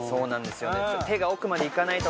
手が奥までいかないとか」